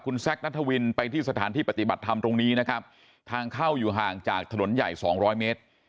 คุณแซคนัทวินไปที่สถานที่ปฏิบัติธรรมตรงนี้นะครับทางเข้าอยู่ห่างจากถนนใหญ่สองร้อยเมตร